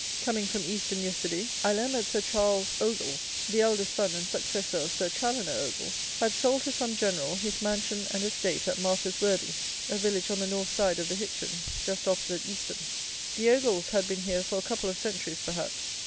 Coming from Easton yesterday, I learned that Sir Charles Ogle, the eldest son and successor of Sir Chaloner Ogle, had sold to some General, his mansion and estate at Martyr's Worthy, a village on the North side of the Hichen, just opposite Easton. The Ogles had been here for a couple of centuries perhaps.